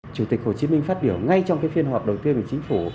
chủ tịch hồ chí minh phát biểu ngay trong phiên họp đầu tiên của chính phủ